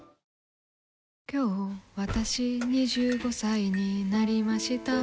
今日わたし、２５歳になりました。